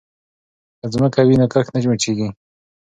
که ځمکه وي نو کښت نه وچيږي.